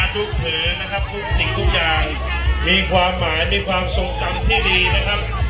ทุกอย่างมีความหมายมีความที่ดีนะครับ